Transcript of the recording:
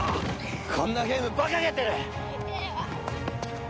こんなゲームバカげてる！景和！